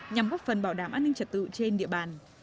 nhằm góp phần bảo đảm an ninh trật tự trên địa bàn